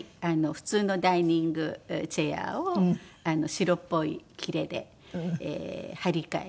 普通のダイニングチェアを白っぽい切れで張り替えて。